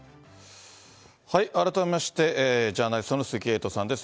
改めまして、ジャーナリストの鈴木エイトさんです。